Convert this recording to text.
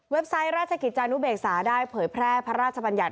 ไซต์ราชกิจจานุเบกษาได้เผยแพร่พระราชบัญญัติ